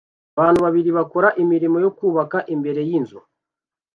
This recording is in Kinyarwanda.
Abantu babiri bakora imirimo yo kubaka imbere yinzu